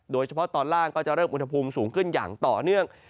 โดยเฉพาะตอนล่างก็จะเริ่มอุณหภูมิสูงขึ้นอย่างต่อเนื่อง